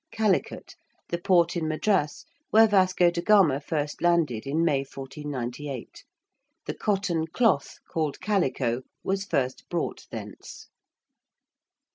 ~Calicut~: the port in Madras, where Vasco de Gama first landed in May 1498. The cotton cloth called calico was first brought thence.